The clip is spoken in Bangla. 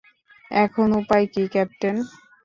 এখন উপায় কী, ক্যাপ্টেন?